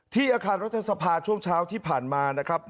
ที่อาคารรัฐศพภาคช่วงเช้าที่ผ่านมา